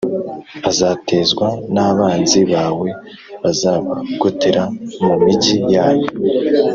azatezwa n’abanzi bawe bazabagotera mu migi yanyu. “